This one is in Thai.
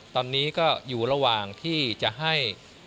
ตอนนี้ก็อยู่ระหว่างที่จะให้